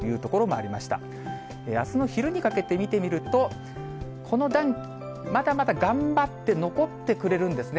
あすの昼にかけて見てみると、この暖気、まだまだ頑張って残ってくれるんですね。